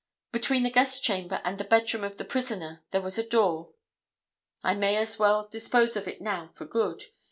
Between the guest chamber and the bedroom of the prisoner there was a door. I may as well dispose of it now for good.